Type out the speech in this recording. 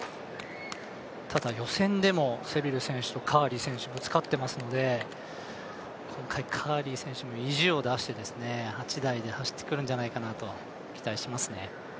ただ予選でもセビル選手とカーリー選手ぶつかってますので今回カーリー選手も意地を出して、８台で走ってくるんじゃないかと期待していますね。